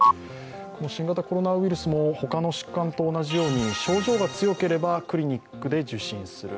新型コロナウイルスも他の疾患と同じように症状が強ければクリニックで受診する。